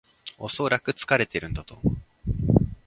おそらく疲れてるんだと思う